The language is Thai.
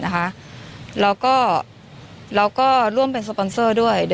หลากหลายรอดอย่างเดียว